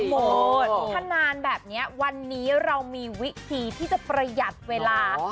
ถ้านานแบบนี้วันนี้เรามีวิธีที่จะประหยัดเวลา